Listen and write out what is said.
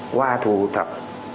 qua thủ tập